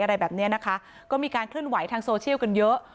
อะไรแบบนี้นะคะก็มีการเคลื่อนไหวทางโซเชียลกันเยอะ